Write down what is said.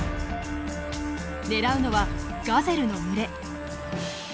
狙うのはガゼルの群れ。